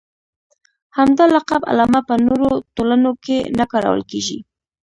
همدا لقب علامه په نورو ټولنو کې نه کارول کېږي.